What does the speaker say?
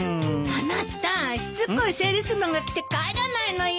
あなたしつこいセールスマンが来て帰らないのよ。